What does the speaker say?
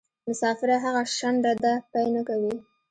مسافره هغه شڼډه ده پۍ نکوي.